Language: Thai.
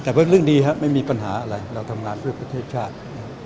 แต่เป็นเรื่องดีครับไม่มีปัญหาอะไรเราทำงานเพื่อประเทศชาติ